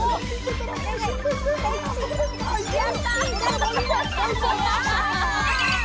やったー！